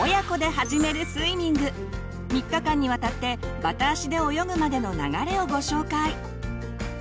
３日間にわたってバタ足で泳ぐまでの流れをご紹介。